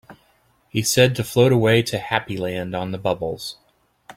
He said to float away to Happy Land on the bubbles.